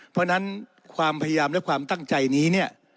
เพราะฉะนั้นความพยายามและความตั้งใจนี้เนี่ย